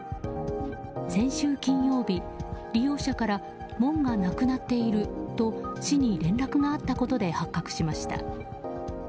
先週金曜日、利用者から門がなくなっていると市に連絡があったことで発覚しました。